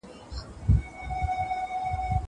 زه ځواب نه ليکم..